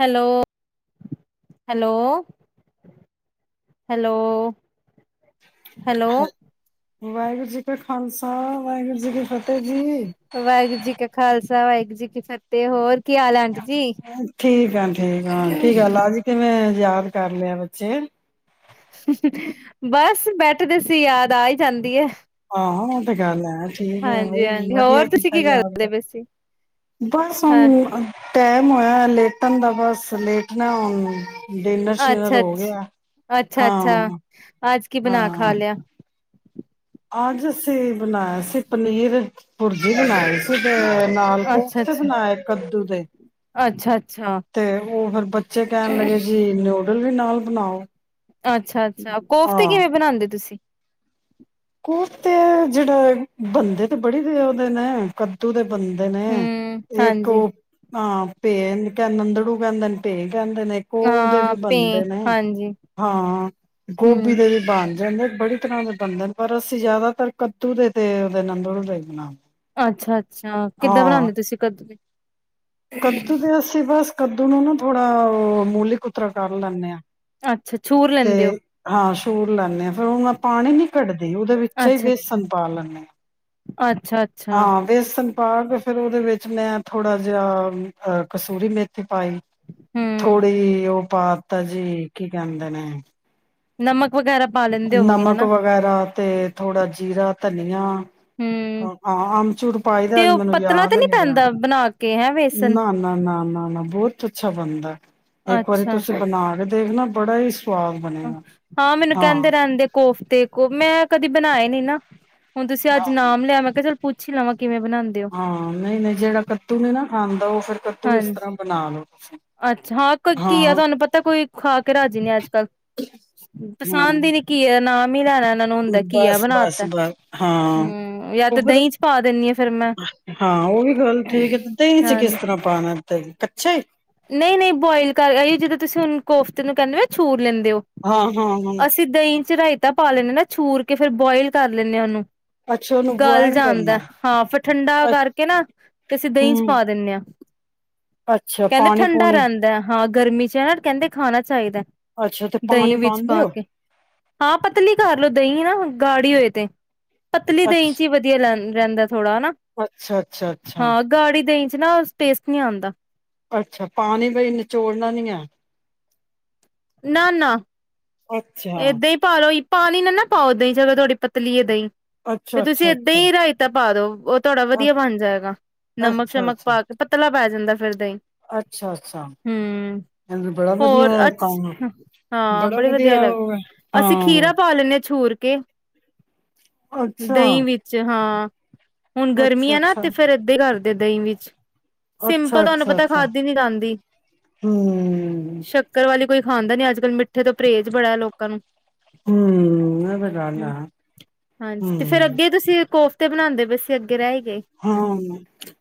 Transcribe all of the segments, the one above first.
Hello -hello- hello hello Waheguru ji ਕਾ ਖਾਲਸਾ ਵਾਹਿਗੁਰੂ ਜੀ ਕੀ ਫ ਵਾਹਿਗੁਰੂ ਜੀ ਕਾ ਖ਼ਾਲਸਾ ਵਹਿਗੁਰੂ ਜੀ ਕੀ ਫਤਿਹ ਹੋਰ ਕੀ ਹਾਲ ਆਂਟੀ ਜੀ? ਠੀਕ ਆ ਠੀਕ ਆ ਕੀ ਗੱਲ ਅੱਜ ਕਿਵੇਂ? ਯਾਦ ਕਰ ਲਿਆ ਬੱਚੇ ਬਸ ਬੈਠਦੇ ਸੀ ਯਾਦ ਆ ਹੀ ਜਾਂਦੀ ਏ। ਆਹੋ ਉਹ ਤੇ ਗੱਲ ਹੈ ਠੀਕ ਹੈ ਹਾਂਜੀ ਬਾਈ ਹਾਂਜੀ ਵਧੀਆ ਹੋਰ ਤੁਸੀਂ ਕੀਤਾ ਕੀ ਕਰਦੇ ਯਾਦ ਪਏ ਸੀ? ਬਸ ਹਾਂ ਹੁਣ ਟੈ [unintelligible] ਕਂਦਾ ਬਸ ਲੇਟ ਨਾ ਹੁਣ ਡਿਨਰ ਸ਼ਿਨਰ ਅੱਛਾ ਹੋ ਅੱਛਾ ਗਿਆ ਅੱਛਾ ਅੱਛਾ ਹਾਂ- ਅੱਜ ਕੀ ਬਣਾ ਖਾ ਹਾਂ। ਲਿਆ? ਅੱਜ ਅਸ ਕੀ ਬਣਾਯਾ ਸੀ ਪਨੀਰ। ਭੁਰਜੀ ਬਨਾਈ ਸ ਤੇ ਫੇ ਨਾਲ ਅੱਛਾ ਕੂਲਚੇ ਅੱਛਾ ਬਣਾਏ ਤੰਰੇਦੂ ਦੇ ਅੱਛਾ ਅੱਛਾ ਤੇ ਔ ਫੇਰ ਬੱਚੇ ਕੈਣ ਲੱਗੇ ਜੀ ਨਿਊਡਲ ਵੀ ਨਾਲ ਬਣਾਓ। ਅੱਛਾ -ਅੱਛਾ, ਕੋਫਤੇ ਹਾਂ ਕਿਵੇਂ ਬਣਾਂਦੇ ਤੁਸੀਂ? [inaudible] ਕੋਫਤੇ ਜੇੜੇ ਬਣਦੇ ਤੇ ਬੜੀ ਜ ਔਦੇ ਨੇ ਕੱਦੂ ਦੇ ਬਣਦੇ ਨੇ ਹੂੰ ਇਕ ਹਾਂਜੀ ਔ ਆਂ ਭੇ ਕ ਨੰਦੜੂ ਕਹਿਦੇ ਨੇ ਭੈਂ- ਕੈੰਦੇ ਨੇ ਕੂਲ ਦੇ ਹਾਂ ਵੀ ਪੇ ਬਣਦੇ ਨੇ ਹਾਂਜੀ ਹਾਂ ਹੂੰ ਗੋਭੀ ਦੇ ਵੀ ਬਣ ਵੇਂਗਣ ਬੜੀ ਤਰ੍ਹਾਂ ਦੇ ਬਣਦੇ ਨੇ। ਪਰ ਅਸੀਂ ਜਿਆਦਾਤਰ ਕੱਦੂ ਦੇ ਤੇ ਔਦੇ ਨੰਦੜੁ ਦੇ। ਅੱਛਾ -ਅੱਛਾ। ਅੱਛਾ, ਕਿੱਦਾਂ ਹਾਂ ਬਣਾਦੇ ਤੁਸੀਂ ਕਦੂ? ਕੱਦੂ ਦੇ ਅੱਸੀਂ ਬਸ ਕੱਦੂ ਨੂੰ ਨਾ ਥੋੜਾ ਅ ਮੂਲੀਕੁਤਰਾ ਕਰ ਲੈਂਣੇ ਆਂ। ਅੱਛਾ ਛੂਰ ਲੈਂਦੇ ਔ। ਸੂਰ ਲੈਂਣੇ ਆ ਫੇਰ ਹੁਣੈਂ ਪਾਣੀ ਨੀ ਕੱਢ ਦੇ ਉਹਦੇ ਵਿੱਚੇ ਈ ਅੱਛਾ ਅੱਛਾ ਵੇਸਨ ਪਾ ਲੈਣੇ ਆਂ। ਅੱਛਾ ਅੱਛਾ। ਪਾ ਕੇ ਫੇਰ ਔਦੇ ਵਿੱਚ ਮੈਂ ਥੋੜਾ ਜਿਹਾ ਅਹ ਕਸੂਰੀ ਮੇਥੀ ਪਾਈ। ਹੂੰ ਥੋੜੀ ਔ ਪਾਤਾ ਜੀ ਕੀ ਕੈੰਦੇ ਨੇ ਨਮਕ। ਵਗੈਰਾ ਪਾ ਲੈਂਦੇ ਹੋਵੋਗੇ ਨਮਕ ਹਨਾ ਵਗੈਰਾ ਤੇ ਥੋੜਾ ਜੀਰਾ ਧਨੀਆ। ਹੂੰ ਹਾਂ, ਆੰਬ ਚੂੜ ਪਾਈ ਦੈ ਤੇ ਅੱਜ ਉਹ ਮੈਨੂੰ ਪਤਲਾ ਯਾਦ ਤੇ ਨੀ ਰਯਾ। ਪੈਂਦਾ ਬਣਾ ਕੇ ਹੈ ਵੇਸਨ ਨਾ ਨਾ ਨਾ ਨਾ। ਬੌਤ ਅੱਛਾ ਬਣਦੈ। ਇੱਕ ਵਾਰੀ ਅੱਛਾ ਤੁਸੀਂ ਬਣਾ ਕੇ ਦ ਦੇਖਣਾ ਬੜਾ ਈ ਸ ਹਾਂ ਮੈਨੂੰ ਕਹਿੰਦੇ ਰਹਿੰਦੇ ਕੋਫਤੇ ਉ ਮੈਂ ਕਦੀ ਬਣਾਏ ਨੀ ਨਾ ਹੁਣ ਤੁਸੀਂ ਅੱਜ ਨਾਮ ਲਿਆ ਮੈਂ ਕਿਹਾ ਚੋਲ ਪੁੱਛ ਲਵਾ ਹਾਂ ਨਹੀਂ-ਨਹੀਂ ਜਿਹੜ ਕੱਦੂ ਨਹੀਂ ਨਾ ਖਾਂਦਾ ਉਹ ਫੇਰ ਕੱਦੂ ਇਸ ਹਾਂਜੀ ਤਰ੍ਹਾਂ ਬਣਾ ਲੋ ਤੁਸੀਂ ਅੱਛਾ ਹਾਂ ਕੋਈ ਘੀਆ ਤੁਹਾਨੂੰ ਪਤਾ ਕੋਈ ਖਾ ਕੇ ਰਾਜੀ ਨਹੀਂ ਅੱਜ-ਕੱਲ ਪਸੰਦ ਹੀ ਨੀ ਘੀਆ ਤੇ ਨਾਮ ਹੀ ਲੈਣਾ ਇਹਨਾਂ ਨੂੰ ਹੁੰਦਾ ਘੀਆ ਬਣਾ ਤਾ ਬਸ-ਬਸ-ਬਸ ਹਾਂ, ਹੂੰ ਜਾਂ ਉਹ ਤੇ ਦਹੀਂ ਚ ਪਾ ਦਿੰਦੀ ਆ ਫੇਰ ਮੈਂ ਹਾਂ ਉਹ ਵੀ ਗੱਲ ਠੀਕ ਹੈ, ਦਹੀਂ ਚ ਕਿਸ ਤਰ੍ਹਾਂ ਪਾਣਾ ਤੇ [unintelligible] ਨਹੀਂ ਨਹੀਂ ਬੋਇਲ ਕਰ ਜਦੋਂ ਤੁਸੀਂ ਹੁਣ ਕੋਫਤੇ ਨੂੰ ਕਹਿੰਦੇ ਹੋ ਛੂ ਲੈਂਦੇ ਹੋ ਹਾਂ ਹਾਂ ਹਾਂ ਅਸੀਂ ਦਹੀਂ ਅਸੀ ਰਾਾਈਤਾਂ ਪਾ ਲੈਂਦੇ ਨਾ ਛੂਰ ਕੇ ਫੇਰ ਬੁਇਲ ਕਰ ਲੈਂਦੇ ਆ ਉਹਨੂੰ ਅੱਛਾ ਉਹਨੂੰ ਗਲ ਬੁਆਇਲ ਕਰਨਾ ਜਾਂਦਾ ਹਾਂ, ਫਿਰ ਠੰਡਾ ਅੱ ਕਰਕੇ ਨਾ ਤੇ ਅਸੀਂ ਦਹੀਂ ਚ ਹਮ ਪਾ ਦਿੰਦੇ ਹਾਂ। ਅੱਛਾ ਕਹਿੰਦੇ ਪਾਣੀ ਠੰਡਾ ਪੂਣੀ ਰਹਿੰਦਾ ਹਾਂ। ਗਰਮੀ ਚ ਹਨਾ ਕਹਿੰਦੇ ਖਾਣਾ ਚਾਹੀਦਾ। ਅੱਛਾ ਤੇ ਦਹੀਂ ਪਾਣੀ ਵਿੱਚ ਪਾਉਂਦੇ ਪਾ ਹੋ ਕੇ, ਹਾਂ ਪਤਲੀ ਕਰਲਓ ਦਹੀਂ ਨਾ ਹੁਣ। ਗਾੜੀ ਹੋਏ ਤੇ ਪਤਲੀ ਦਹੀ ਚ ਹੀ ਅੱਛਾ ਵਧੀਆ ਲਗਦੀ ਰਹਿੰਦਾ। ਥੋੜਾ ਨਾ, ਅੱਛਾ ਅੱਛਾ ਅੱਛਾ ਹਾਂ ਗਾੜੀ ਦਈ ਚ ਨਾ ਟੈਸਟ ਨੀ ਆਦਾ। ਅੱਛਾ ਪਾਣੀ ਬਈ ਨਿਚੋੜਨਾ ਨੀ ਹੈ। ਨਾ-ਨਾ ਅੱਛਾ ਏਦਾਂ ਹੀ ਪਾਲੋ ਪਾਣੀ ਨਾ-ਨਾ ਪਾਓ ਦਈ ਚ ਜਦੋ ਤੁਹਾਡਾ ਪਤਲੀ ਏ ਦਹੀਂ ਤੇ ਅੱਛਾ ਤੁਸੀਂ ਅੱਛਾ ਏਦਾਂ ਅੱਛਾ ਹੀ ਰਇਤਾ ਪਾ ਦਓ ਥੋੜਾ ਅ ਵਧੀਆ ਬਣ ਜਾਏਗਾ ਨਮਕ ਅੱਛਾ ਸ਼ਮਕ ਅੱਛਾ ਪਾ ਕੇ ਪਤਾਲਾ ਪੈ ਜਾਂਦਾ। ਫਿਰ ਦਹੀਂ ਅੱਛਾ, ਅੱਛਾ ਹੂੰ। ਈਹ ਤੇ ਬੜਾ ਹੋਰ ਵਧੀਆ ਅੱਛ ਕੰਮ ਹਾਂ ਬੜਾ ਬੜੇ ਵਧੀਆ ਲੱਗ ਉਹ ਹੈ ਅਸੀਂ ਹਾਂ ਖੀਰਾ ਪਾ ਲੈਣੇ ਹਾਂ ਹੋਰ ਕੇ ਅੱਛਾ ਦਹੀਂ ਵਿੱਚ ਹਾਂ। ਹੁਣ ਗਰਮੀ ਅੱਛਾ ਆ ਨਾ ਅੱਛਾ ਤੇ ਫਿਰ ਇੱਹਦਾ ਧੇ ਕਰ ਤੇ ਦਹੀਂ ਵਿੱਚ ਅੱਛਾ ਸਿੰਪਲ ਤੁਹਾਨੂੰ ਅੱਛਾ ਪਤਾ ਅੱਛਾ ਖਾਦੀ ਨੀ ਜਾਂਦੀ ਹਮ ਸ਼ੱਕਰ ਵਾਲੀ ਕੋਈ ਖਾਂਦਾ ਨੀ ਅੱਜ ਕੱਲ੍ਹ ਮਿੱਠੇ ਤੋਂ ਪਰਹੇਜ਼ ਬੜਾ ਏ ਲੋਕਾਂ ਨੂੰ ਹੂੰ ਮੈਂ ਬਾਜਾਰ ਜਾਣਾ ਹੂੰ। ਹਾਂਜੀ ਹੂੰ ਤੇ ਬਣਾਦੇ ਪਏ ਸੀ ਰਹਿ ਹੀ ਗਏ। ਹਾਂ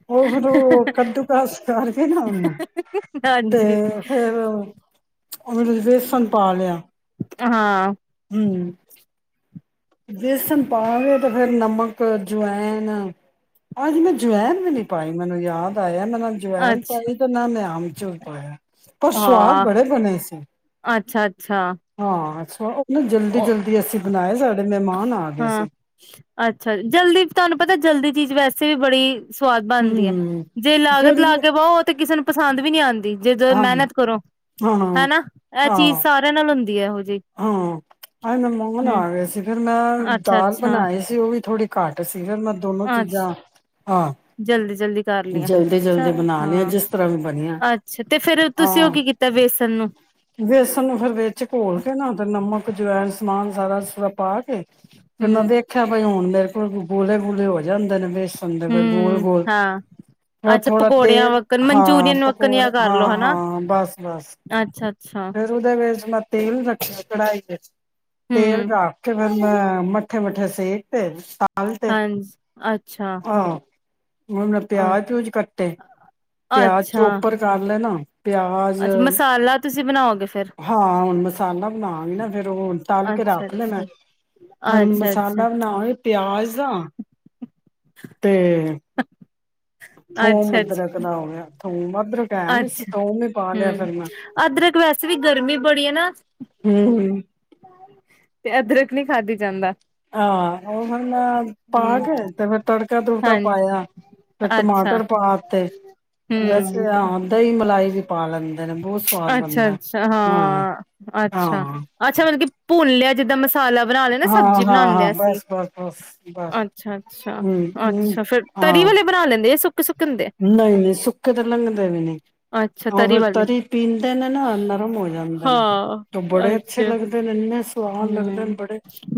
ਉਹ ਫਿਰ ਉਹ ਕੱਦੂ ਕਸ ਕਰਕੇ ਨਾ ਉਹ ਓਨਾ ਤੇ ਹਾਂਜੀ ਫੇਰ ਉਹ ਬੇਸਨ ਪਾ ਲਿਆ ਹਾਂ ਹੂੰ ਬੇਸਣ ਪਾ ਕੇ ਤਾਂ ਫੇਰ ਨਮਕ ਜਵਾਇਨ ਅੱਜ ਮੈਂ ਜਵੈਨ ਵੀ ਨੀ ਪਾਈ ਮੈਨੂੰ ਯਾਦ ਆਇਆ ਜਵਇਨ ਅੱਛਾ। ਪਾਈ ਤੇ ਨਾ ਨੇ ਆਮਚੂਰ ਪਾਇਆ ਪਰ ਸਵਾਦ ਹਾਂ, ਬੜੇ ਬਣੇ ਸੀ ਅੱਛਾ-ਅੱਛਾ ਹਾਂ। ਆਹੋ ਨਾ ਜਲਦੀ ਜਲਦੀ ਉਹ ਅਸੀਂ ਬਣਾਏ ਸਾਡੇ ਮਹਿਮਾਨ ਆ ਗਏ ਹਾਂ ਸੀ ਅੱਛਾ ਜਲਦੀ ਤੁਹਾਨੂੰ ਪਤਾ ਜਲਦੀ ਚੀਜ਼ ਵੈਸੇ ਵੀ ਬੜੀ ਸਵਾਦ ਬਣਦੀ ਹੈ ਹੂੰ, ਜੇ ਲਾਗਤ ਫਿਰ ਲਾ ਵੀ ਕੇ ਪਾਓ ਉਹ ਤੇ ਕਿਸੇ ਨੂੰ ਪਸੰਦ ਵੀ ਨਹੀਂ ਆਂਦੀ ਜਦੋਂ ਹਾਂ, ਮਿਹਨਤ ਕਰੋ ਹਾਂ। ਹਨਾ, ਇਹ ਚੀਜ਼ ਹਾਂ, ਸਾਰਿਆਂ ਨਾਲ ਹੁੰਦੀ ਤੀ ਇਹੋ ਦੀ ਹਾਂ। ਹੂੰ, ਹਾਏ ਮੈਂ ਮੰਗਣ ਆ ਗਿਆ ਸੀ ਫੇਰ ਮੈਂ ਦਾਲ ਅੱਛਾ-ਅੱਛਾ, ਬਣਾਈ ਸੀ ਉਹ ਵੀ ਥੋੜੀ ਘਾਟ ਸੀ ਫਿਰ ਮੈਂ ਦੋਨੋ ਚੀਜ਼ਾਂ ਅੱਛਾ ਹਾਂ ਜਲਦੀ-ਜਲਦੀ ਕਰ ਲਿਆ। ਜਲਦੀ ਅੱਛਾ ਜਲਦੀ ਬਣਾ ਲਈਆਂ ਹਾਂ, ਜਿਸ ਤਰ੍ਹਾਂ ਵੀ ਬਣੀਆਂ ਅੱਛਾ ਤੇ ਫੇਰ ਤੁਸੀਂ ਉਹ ਹਾਂ, ਕੀ ਕੀਤਾ ਵੇਸਣ ਨੂੰ ਵੇਸਣ ਨੂੰ ਫਿਰ ਵਿੱਚ ਘੋਲ ਨਮਕ ਜਵਾਇਣ ਸਮਾਨ ਸਾਰਾ ਸੁਰਾ ਪਾ ਕੇ ਫਿਰ ਨਾਂ ਹੂੰ, ਦੇਖਿਆ ਬਾਈ ਹੁਣ ਮੇਰੇ ਕੋਲ ਗੂਲੇ- ਗੂਲੇ ਹੋ ਜਾਂਦੇ ਨੇ ਬੇਸ ਸੁਣਦੇ ਪਏ ਗੋਲ- ਹੂੰ ਗੋਲ ਹਾਂ, ਹੋ ਅੱਛਾ ਥੋੜਾ ਪਕੌੜਿਆਂ ਤੇਲ ਵੱਕਣ ਹਾਂ ਮਨਚੂਰੀਅਨ ਵੱਕਣ ਜਾਂ ਪਕੌੜਾ ਕਰਲੋ ਹਾਂ ਹਨਾ। ਹਾਂ ਬਸ ਬਸ ਅੱਛਾ-ਅੱਛਾ, ਫਿਰ ਉਹਦੇ ਵਿੱਚ ਮੈਂ ਤੇਲ ਰੱਖਿਆ ਕੜਾਹੀ ਵਿੱਚ ਤੇਲ ਹੂੰ। ਰੱਖ ਕੇ ਫਿਰ ਮੈਂ ਮੱਠੇ- ਮੱਠੇ ਸੇਕ ਤੇ ਤਲ ਤੇ ਹਾਂਜੀ, ਅੱਛਾ। ਆਹ ਹੁਣ ਨਾ ਅ ਪਿਆਜ ਪਿਊਜ ਕੱਟੇ ਪਿਆਜ ਅੱਛਾ। ਚੋਪਰ ਕਰ ਲੈ ਨਾ। ਪਿਆਜ਼ ਅੱਛਾ ਮਸਾਲਾ ਤੁਸੀਂ ਬਣਾਓਗੇ ਫੇਰ, ਹਾਂ ਹੁਣ ਮਸਾਲਾ ਬਣਾਂਗੀ ਨਾ ਫੇਰ ਉਹ ਤਲ ਕੇ ਰੱਖ ਲੈਣਾ ਅੱਛਾ-ਅੱਛਾ, ਹੁਣ ਅੱਛਾ-ਅੱਛਾ, ਅੱਛਾ-ਅੱਛਾ। ਮਸਾਲਾ ਬਣਾਂਗੀ। ਪਿਆਜ਼ ਆ ਤੇ ਥੋਮ ਅੱਛਾ- ਅਦਰਕ ਦਾ ਹੋ ਗਿਆ ਅੱਛਾ, ਥੋਮ ਅਦਰਕ ਹੈ ਨੀ ਸੀ ਅੱਛਾ ਥੋਮ ਹੀ ਪਾ ਲਿਆ ਹੂੰ ਫਿਰ ਮੈਂ ਅਦਰਕ ਵੈਸੇ ਵੀ ਗਰਮੀ ਬੜੀ ਹੈ ਨਾ ਹੂੰ ਤੇ ਅਦਰਕ ਨਹੀਂ ਖਾਧੀ ਜਾਂਦਾ। ਹਾਂ ਉਹ ਫਿਰ ਮੈਂ ਪਾ ਹੂੰ, ਕੇ ਤੇ ਫਿਰ ਤੜਕਾ ਤੁੜਕਾ ਹਾਂਜੀ। ਪਾਇਆ ਫਿਰ ਅੱਛਾ, ਟਮਾਟਰ ਪਾ ਤੇ ਵੈਸੇ ਹਾਂ ਦਹੀਂ ਮਲਾਈ ਵੀ ਪਾ ਲੈਂਦੇ ਨੇ ਬਹੁਤ ਸਵਾਦ ਅੱਛਾ- ਬਣਦਾ ਅੱਛਾ ਹਾਂ, ਅੱਛਾ- ਹਾਂ ਅੱਛਾ ਮਤਲਬ ਕਿ ਭੁੰਨ ਲਿਆ ਜਿੱਦਾਂ ਮਸ ਮਸਾਲਾ ਬਣਾ ਲਿਆ ਨਾ ਹਾਂ ਸਬਜ਼ੀ ਹਾਂ ਹਾਂ ਬਣਾਂਦੇ ਅਸੀਂ, ਬਸ ਬਸ ਬਸ ਬਸ ਅੱਛਾ- ਅੱਛਾ ਹਮ ਹਮ ਅੱਛਾ ਫੇਰ ਤਰੀ ਹਾਂ ਵਾਲੇ ਬਣਾ ਲੈਂਦੇ ਸੁਕ ਨਹੀਂ ਨਹੀਂ ਸੁੱਕੇ ਤੇ ਲੰਘਦੇ ਵੀ ਨਹੀਂ ਅੱਛਾ ਉਹ ਫਿਰ ਵਾਲੇ, ਤਰੀ ਪੀਂਦੇ ਨੇ ਨਾ ਨਰਮ ਹੋ ਜਾਂਦੇ ਨੇ, ਹਾਂ, ਤੇ ਬੜੇ ਅੱਛੇ ਲੱਗਦੇ ਨੇ ਇੰਨੇ ਸੋ ਹੂੰ,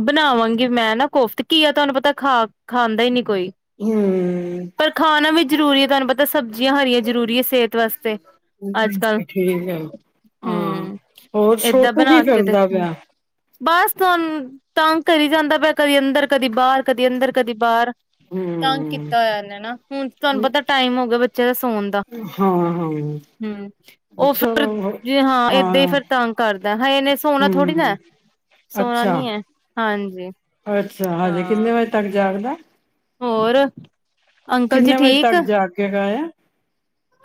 ਬਣਾਵਾਂਗੀ ਮੈਂ ਨਾ ਕੋਫਤੇ ਘੀਆ ਤੁਹਾਨੂੰ ਪਤਾ ਖਾ ਖਾਂਦੇ ਹੀ ਨਹੀਂ। ਕੋਈ ਹਮ ਪਰ ਖਾਣਾ ਵੀ ਜ਼ਰੂਰੀ ਤੁਹਾਨੂੰ ਪਤਾ ਸਬਜ਼ੀਆਂ ਹਰੀਆਂ ਜ਼ਰੂਰੀ ਐ ਸਿਹਤ ਵਾਸਤੇ। ਅੱਜ ਕੱਲ ਨਹੀਂ ਠੀਕ ਆ ਹਾਂ ਹਮ ਹੋਰ ਏਦਾਂ ਛੋਟੂ ਕੀ ਕਰਦਾ ਪਿਆ। ਸਾਨੂੰ ਤੰਗ ਕਰੀ ਜਾਂਦਾ ਪਿਆ ਕਦੀ ਅੰਦਰ ਕਦੀ ਬਾਹਰ ਕਦੀ ਅੰਦਰ ਕਦੀ ਬਾਹਰ। ਤੰਗ ਹਮ ਕੀਤਾ ਹੋਇਆ ਇਨੇ ਨਾ ਹੁਣ ਤੁਹਾਨੂੰ ਪਤਾ ਟਾਈਮ ਹੋ ਗਿਆ ਬੱਚੇ ਬੱਚਿਆਂ ਦੇ ਸੋਣ ਦਾ ਹਾਂ ਹਾਂ ਹੂੰ, ਉਹ ਫਿਰ ਚਲੋ ਜੇ ਹਾਂ ਏਦਾਂ ਹੀ ਫਿਰ ਤੰਗ ਕਰਦਾ ਹਾਂ ਇਨੇ ਸੋਣਾ ਥੋੜ੍ਹੀ ਹਮ ਨਾ। ਸੋਣਾ ਅੱਛਾ ਨੀ ਹੈ ਹਾਂਜੀ ਅੱਛਾ, ਹਜੇ ਹਾਂ ਕਿੰਨੇ ਵਜੇ ਤੱਕ ਜ ਜਾਗਦੈ। ਹੋਰ। ਅੰਕਲ ਜੀ ਕਿੰਨੇ ਵਜੇ ਠੀਕ ਤੱਕ ਜਾਗੇਗਾ ਇਹ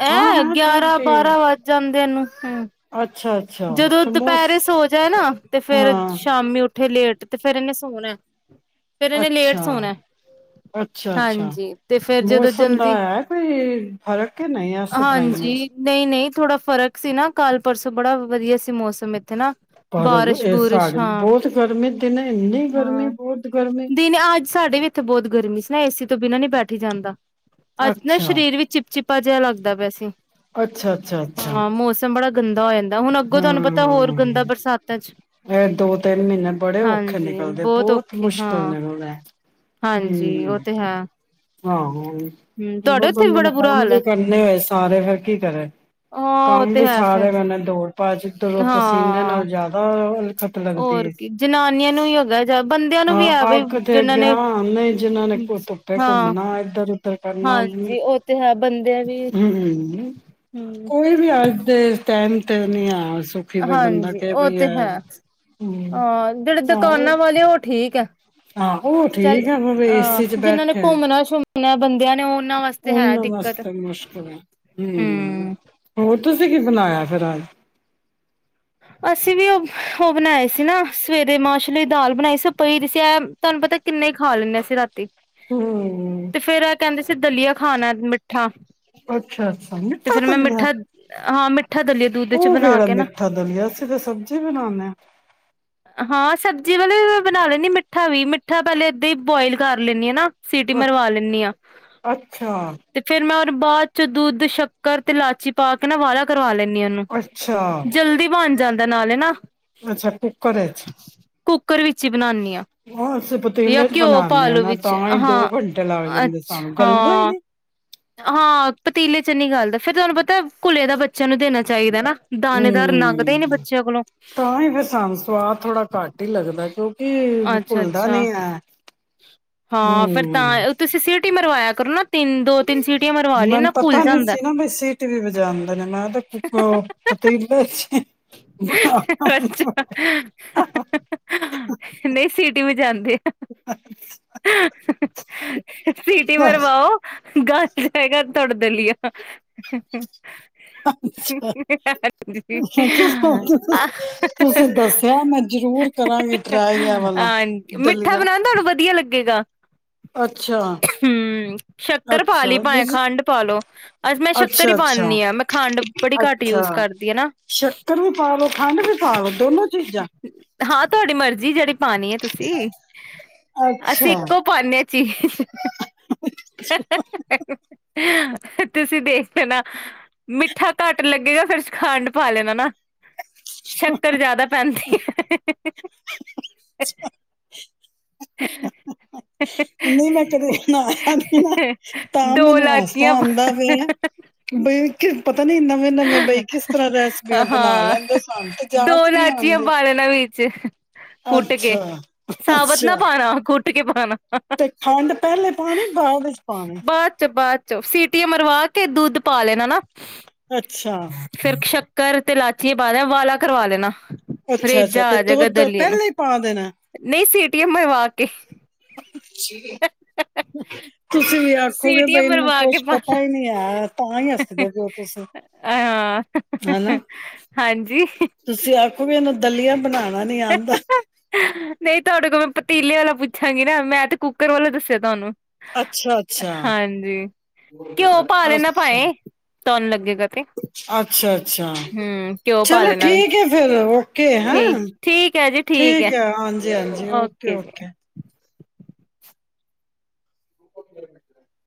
ਐ ਗਿਆਰਾਂ ਠੀਕ ਬਾਰਾਂ ਵੱਜ ਜਾਂਦੇ ਇਹਨੂੰ ਹੂੰ। ਆ ਅੱਛਾ ਅੱਛਾ ਜਦੋਂ ਤੇ ਮੋਸ ਦੁਪਹਿਰੇ ਸੋ ਜਾਏ ਨਾ ਤੇ ਫੇਰ ਹਾਂ ਸ਼ਾਮੀ ਉੱਠੇ ਲੇਟ ਤੇ ਫੇਰ ਇਹਨੇ ਸੋਣਾ ਫੇਰ ਇਹਨੇ ਲੇਟ ਅੱਛਾ, ਸੋਣਾ ਅੱਛਾ ਅੱਛਾ ਹਾਂਜੀ ਤੇ ਫੇਰ ਜਦੋਂ ਮੌਸਮ ਜਲਦੀ ਦਾ ਹੈ ਕੋਈ ਫ਼ਰਕ ਕਿ ਨਹੀਂ ਓਸੇ ਤਰ੍ਹਾਂ ਹੀ ਹੈ। ਹਾਂਜੀ ਨਹੀਂ-ਨਹੀਂ ਥੋੜਾ ਫਰਕ ਸੀ ਨਾ ਕਲ ਪਰਸੋਂ ਬੜਾ ਵਧੀਆ ਸੀ ਮੌਸਮ ਇੱਥੇ ਨਾ ਪਰ ਬਾਰਿਸ਼ ਇਹ ਬੁਰਿਸ਼ ਸਾਡੇ ਬਹੁਤ ਗਰਮੀ ਦਿਨੇ ਇੰਨੀ ਗਰਮੀ ਹਾਂ-ਹਾਂ। ਬਹੁਤ ਗਰਮੀ ਏ ਸੀ ਤੋਂ ਬਿਨਾਂ ਨੀ ਬੈਠੀ ਜਾਂਦਾ। ਅੱਜ ਨਾ ਅੱਛਾ ਸਰੀਰ ਵੀ ਚਿਪ ਚਿਪਾ ਜਿਹਾ ਲੱਗਦਾ ਪਿਆ ਸੀ, ਅੱਛਾ ਅੱਛਾ ਅੱਛਾ ਹਾਂ ਮੌਸਮ ਬੜਾ ਗੰਦਾ ਹੋ ਜਾਂਦਾ। ਹੁਣ ਅੱਗੋਂ ਤੁਹਾਨੂੰ ਪਤਾ ਹੋਰ ਹਾਂ ਗੰਦਾ ਬਰਸਾਤਾਂ ਚ ਇਹ ਦੋ ਤਿੰਨ ਮਹੀਨੇ ਬੜੇ ਔਖੇ ਹਾਂਜੀ ਨਿਕਲਦੇ ਬਹੁਤ ਔਖੇ ਮੁਸ਼ਕਿਲ ਹਾਂ, ਨਿਕਲਦਾ ਹਾਂਜੀ ਉਹ ਹਮ ਤੇ ਹੈ। ਆਹੋ ਹਮ ਤੁਹਾਡੇ ਜਦੋ ਉੱਥੇ ਵੀ ਬੰਦੇ ਬੜਾ ਨੇ ਬੁਰਾ ਕੰਮ ਹਾਲ ਹੈ ਵੀ ਕਰਨੇ ਹੋਏ ਸਾਰੇ, ਫੇਰ ਕੀ ਕਰੇ ਹਾਂ ਉਹ ਕੰਮ ਤੇ ਵੀ ਹੈ ਫਿਰ ਸਾਰੇ [unintelligible] ਪਸੀਨੇ ਹਾਂ ਨਾਲ ਜ਼ਿਆਦਾ ਲੱਗਦੀ ਹੋਰ ਹੈ ਕੀ ਜਨਾਨੀਆਂ ਨੂੰ ਵੀ ਹੈਗਾ ਜਾਂ ਬੰਦਿਆਂ ਨੂੰ ਹਾਂ ਵੀ ਹੈ, ਅੱਗ ਦੇ ਜਿਹਨਾਂ ਅੱਗੇ ਨੇ ਹਾਂ ਨਹੀਂ ਜਿਨਾਂ ਨੇ ਕੋ ਧੁੱਪੇ ਹਾਂ ਘੁੰਮਣਾ ਇੱਧਰ ਉਧਰ ਕਰਨਾ ਹੂੰ। ਹਾਂਜੀ ਉਹ ਤੇ ਹੈ ਬੰਦਿਆਂ ਵੀ ਹਮ ਕੋਈ ਵੀ ਆ ਟਾਈਮ ਤੇ ਨੀ ਆ ਹਾਂਜੀ ਉਹ ਤੇ ਹੈ, ਹਮ ਹਾਂ ਜਿਹੜੇ ਆਹੋ ਦੁਕਾਨਾਂ ਵਾਲੇ ਉਹ ਠੀਕ ਹੈ, ਆਹੋ ਚੱਲ ਠੀਕ ਹੈ ਮ ਹਾਂ ਏਸੀ ਚ ਜਿਹਨਾਂ ਨੇ ਘੁੰਮਣਾ ਸ਼ੁੰਮਣਾ ਬੰਦਿਆਂ ਨੇ ਉਹ ਉਹਨਾ ਵਾਸਤੇ ਮੁਸ਼ਕਿਲ ਹੈ, ਹੂੰ ਹਮ ਹੋਰ ਤੁਸੀਂ ਕੀ ਬਣਾਇਆ। [unintelligible] ਅਸੀਂ ਵੀ ਉਹ ਉਹ ਬਣਾਏ ਸੀ ਨਾ ਸਵੇਰੇ ਮਾਸਰ ਦੀ ਦਾਲ ਬਣਾਈ ਸੀ, ਪਈ ਸੀ ਤੁਹਾਨੂੰ ਪਤਾ ਕਿੰਨੇ ਹੀ ਖਾ ਲੈਂਦੇ ਅਸੀਂ ਰਾਤੀ। ਹੂੰ। ਤੇ ਫੇਰ ਇਹ ਕਹਿੰਦੇ ਦਲੀਆ ਖਾਣਾ ਮਿੱਠਾ ਅੱਛਾ ਅੱਛਾ ਤੇ ਮਿੱਠਾ ਫੇਰ ਮੈਂ ਦਲੀਆ ਮਿੱਠਾ, ਹਾਂ ਮਿੱਠਾ ਦਲੀਏ ਦੁੱਧ ਚ ਉਹ ਬਣਾ ਕਿਹੜਾ ਕੇ ਨਾ। ਮਿੱਠਾ ਦਲੀਆ ਸੀ ਤੇ ਸਬਜ਼ੀ ਬਣਾਉਦੇ। ਹਾਂ, ਸਬਜ਼ੀ ਵਾਲੇ ਮੈ ਬਣਾ ਲੈਂਦੀ, ਮਿੱਠਾ ਵੀ ਮਿੱਠਾ ਪਹਿਲੇ ਏਦਾਂ ਹੀ ਬੋਆਇਲ ਕਰ ਲੈਂਦੀ ਹੈ ਨਾ। ਸੀਟੀ ਹਾਂ ਮਰਵਾ ਲੈਂਦੀ ਹਾਂ ਅੱਛਾ ਤੇ ਫੇਰ ਮੈਂ ਬਾਅਦ ਚ ਦੁੱਧ ਸ਼ੱਕਰ ਤੇ ਇਲਾਚੀ ਪਾ ਕੇ ਨਾ ਉਬਾਲਾ ਕਰਵਾ ਲੈਣੀ। ਅੱਛਾ ਜਲਦੀ ਬਣ ਜਾਂਦਾ। ਤਾਂ ਨਾਲੇ ਨਾ ਅੱਛਾ [unintelligible] ਕੁੱਕਰ ਵਿੱਚ ਬਣਾਨੀ ਹਾਂ ਅਸੀਂ ਜਾਂ ਪਤੀਲੇ ਚ ਘਿਓ ਬਣਾਉਦੇ ਹਾਂ ਪਾਲੋ ਨਾ ਵਿੱਚ ਤਾਂ ਹੀ ਦੋ ਹਾਂ, ਘੰਟੇ ਲੱਗ ਜਾਂਦੇ ਅੱਛਾ ਸਾਨੂੰ ਗਲਦਾ ਹੀ ਹਾਂ, ਨੀ ਹਾਂ ਪਤੀਲੇ ਚੰਗੀ ਗੱਲ ਦਾ ਫ਼ਿਰ ਤੁਹਾਨੂੰ ਪਤਾ, ਘੁਲੇ ਦਾ ਬੱਚਿਆਂ ਨੂੰ ਦੇਣਾ ਚਾਹੀਦਾ ਨਾ। ਦਾਣੇਦਾਰ ਲੰਘਦਾ ਹੀ ਨੇ ਹੂੰ ਬੱਚਿਆਂ ਕੋਲੋਂ। ਤਾਂ ਹੀ ਫਿਰ ਸਾਨੂੰ ਸਵਾਦ ਥੋੜਾ ਘੱਟ ਹੀ ਲੱਗਦਾ ਕਿਊ ਅੱਛਾ-ਅੱਛਾ, ਹਾਂ ਫਿਰ ਤਾਂ-ਅ ਤੁਸੀਂ ਸੀਟੀ ਮਰਵਾਇਆ ਕਰਨਾ। ਮੈਨ ਪਤਾ ਨੀ ਜਾਂਦਾ ਸੀ ਨਾ ਬ ਸੀਟ ਵੀ ਵਜਾਉਦੇ ਨੇ, ਮੈਂ ਤੇ ਕੁ-ਕ ਪਤੀਲੇ ਚ ਅੱਛਾ ਨਹੀਂ ਸਿਟੀ ਵਜਾਣਦੇ। ਸੀਟੀ ਮਰਵਾਓ, ਗਾਲ ਜਾਏਗਾ ਤੁਹਾਡਾ ਦਲੀਆ ਹਾਂਜੀ ਅੱਛਾ, ਤੁਸੀਂ ਦੱਸਿਆ ਮੈਂ ਜ਼ਰੂਰ ਕਰਾਂਗੀ। ਟਰਾਈ ਐ ਵਾਲਾ ਹਾਂਣ, ਮਿੱਠਾ ਦਲੀਆ ਬਣਾਉਣਾ ਤੁਹਾਨੂੰ ਵਧੀਆ ਲੱਗੇਗਾ, ਅੱਛਾ ਹਮ ਹੂੰ ਸ਼ੱਕਰ ਪਾ ਅੱਛਾ ਲਈ ਪਾਏ ਵਿਜ ਖੰਡ ਪਾਲੋ, ਅੱਜ ਮੈਂ ਸ਼ੱਕਰ ਹੀ ਅੱਛਾ ਅੱਛਾ ਪਾਣੀ ਆ, ਮੈਂ ਖੰਡ ਬ-ਬੜੀ ਘੱਟ ਅੱਛਾ ਯੂਜ ਕਰਦੀ ਹੈ ਨਾ। ਸ਼ੱਕਰ ਵੀ ਪਾ ਲੋ ਖੰਡ ਵੀ ਪਾ ਲੋ ਦੋਨੋ ਚੀਜ਼ਾਂ ਹਾਂ ਤੁਹਾਡੇ ਮਰਜੀ ਜਿਹੜੀ ਪਾਣੀ ਹੈ ਤੁਸੀਂ। ਅਸੀਂ ਅੱਛਾ ਇੱਕੋ ਪਾਣੇ ਹਾਂ ਚੀਜ਼ [inaudible] ਤੁਸੀਂ ਦੇਖ ਲੈਣਾ। ਮਿੱਠਾ ਘੱਟ ਲੱਗੇਗਾ ਫਿਰ ਖੰਡ ਪਾ ਲੈਣਾ ਨਾ। ਸ਼ੱਕਰ ਜ਼ਿਆਦਾ ਪੈਂਦੀ ਏ [inaudible] ਨਹੀਂ ਮੈਂ ਕਦੇ ਬਣਾਇਆ ਨੀ-ਨਾ, ਤਾਂ ਦੋ ਮੈਨੂੰ ਹਾਸਾ ਲਾਚੀਆਂ ਆਂਦਾ ਪਾ ਪਿਆ। ਬਈ ਕਿਦਾ ਬਣਾ ਹਾਂ, ਲੈਂਦੇ ਸਾਨੂੰ ਤੇ ਦੋ ਜਾਚ ਨੀ ਲਾਚੀਆਂ ਆਉਂਦੀ। ਪਾ ਲੈਣਾ ਵਿੱਚ, ਕੁੱਟ ਕੇ ਅੱਛਾ ਸਾਬਤ ਨਾ ਅੱਛਾ ਪਾਣਾ ਕੁੱਟ ਕੇ ਪਾਣਾ। ਤੇ ਖੰਡ, ਪਹਿਲੇ ਪਾਣੀ ਬਾਅਦ ਵਿੱਚ ਪਾਨੀ। ਤੇ ਦੁੱਧ ਪਾ ਲੈਣਾ ਨਾ। ਅੱਛਾ ਫਿਰ ਸ਼ੱਕਰ ਤੇ ਲਾਚੀ ਪਾਓ ਲੈਣਾ, ਵਾਲਾ ਕਰਵਾ ਲੇਣਾ। ਅੱਛਾ ਅੱਛਾ ਰੇਜਾ ਤੇ ਆ ਜੇਗਾ ਦੁੱਧ ਦਲੀਏ ਨੂੰ, ਪਹਿਲਾਂ ਹੀ ਨਹੀਂ ਸੀਟੀ ਮਰਵਾ ਕੇ ਅੱਛਾ ਤੁਸੀਂ ਵੀ ਆਖੋਗੇ ਸੀਟੀਆਂ ਬਈ ਇਹਨੂੰ ਮਰਵਾ ਕੇ ਕੁਛ ਪਾ ਪਤਾ ਹੀ ਨਹੀਂ ਹੈ ਤਾਂ ਹੀ ਹੱਸਦੇ ਪਓ ਤੁਸੀਂ। ਹਾਂ, ਹਨਾ ਹਾਂਜੀ। [unintelligible] ਇਨੂੰ ਦਲੀਆ ਬਣਾ ਨਹੀਂ ਆਉਂਦਾ ਨਹੀਂ ਤੁਹਾਡੇ ਕੋਲ ਮੈਂ ਪਤੀਲੇ ਵਾਲਾ ਪੁੱਛਾਂਗੀ ਨਾ ਮੈਂ ਤੇ ਕੁੱਕਰ ਵਾਲਾ ਦੱਸਿਆ ਤੁਹਾਨੂੰ ਅੱਛਾ ਅੱਛਾ ਹਾਂਜੀ ਘਿਓ ਪਾ ਅੱਛਾ ਲੈਣਾ ਭਾਏ ਤੁਹਾਨੂੰ ਲੱਗੇਗਾ ਤੇ ਅੱਛਾ ਅੱਛਾ ਹੂੰ ਘਿਓ ਪਾ ਚਲੋ ਲੈਣਾ ਠੀਕ ਵਿੱਚ ਹੈ ਫਿਰ ਓਕੇ ਹੈਂ ਠੀਕ ਠੀਕ ਹੈ ਜੀ ਠੀਕ ਹੈ। ਹਾਂਜੀ ਹਾਂਜੀ ਓਕੇ ਓਕੇ। [inaudible]